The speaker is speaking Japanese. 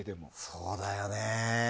そうだよね。